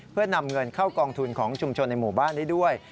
เพื่อนำเงินเข้ากองทุนของชุมชนในหมู่บ้านได้ด้วย